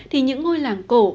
thì những ngôi làng cổ